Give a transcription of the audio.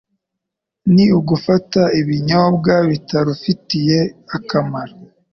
ni ugufata ibinyobwa bitarufitiye akamaro